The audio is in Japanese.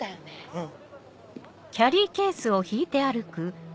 うん。